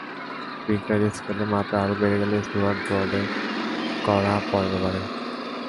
Richter স্কেলে মাত্রা আরও বেড়ে গেল স্টুয়ার্ট ব্রডের করা পরের ওভারে।